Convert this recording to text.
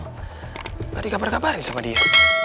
gak di kabar kabarin sama dia